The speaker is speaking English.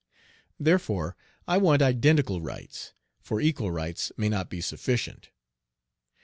Therefore I want identical rights, for equal rights may not be sufficient.